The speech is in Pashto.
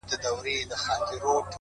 • هغه ښار هغه مالت دی مېني تشي له سړیو,